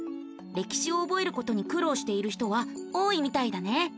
歴史を覚えることに苦労している人は多いみたいだね。